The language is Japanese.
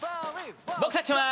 僕たちは。